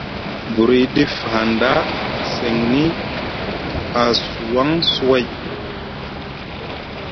Buri ɗif hanɗa seŋni a suwaŋ suway.